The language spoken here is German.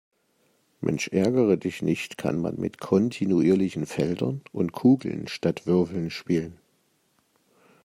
Mensch-ärgere-dich-nicht kann man mit kontinuierlichen Feldern und Kugeln statt Würfeln spielen.